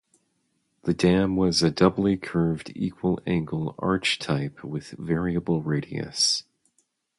The dam was a doubly curved equal angle arch type with variable radius.